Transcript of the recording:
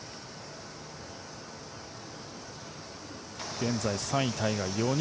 現在、３位タイが４人。